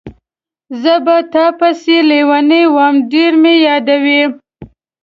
زه په تا پسې لیونی وم، ډېر مې یادولې.